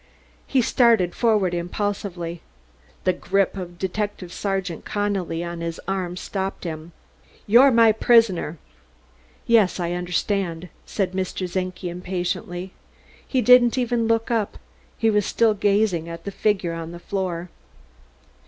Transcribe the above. He started forward impulsively; the grip of Detective Sergeant Connelly on his arm stopped him. "You're my prisoner!" "Yes, I understand," said Mr. Czenki impatiently. He didn't even look up; he was still gazing at the figure on the floor.